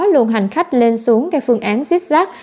luôn hành khách lên xuống các phương án xích xác